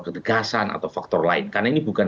ketegasan atau faktor lain karena ini bukan